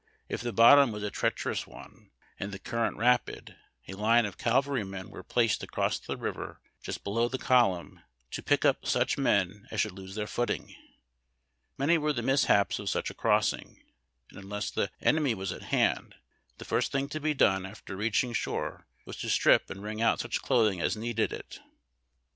If the bottom was a treacherous one, and the current rapid, a line of cavalry men was placed across the river just below the column to pick up such men as should lose their footing. jNIany were the mishaps of such a crossing, and, unless the enemy was at hand, the first thing to be done after reaching shore was to strip and wrinq; out such clothins; i^s needed it.